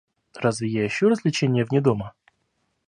Разве я ищу развлечения вне дома?